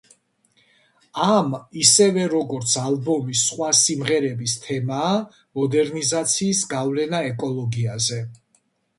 ამ, ისევე, როგორც ალბომის სხვა სიმღერების თემაა მოდერნიზაციის გავლენა ეკოლოგიაზე.